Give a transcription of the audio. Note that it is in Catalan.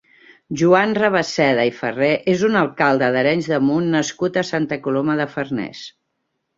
Joan Rabasseda i Ferrer és un alcalde d'Arenys de Munt nascut a Santa Coloma de Farners.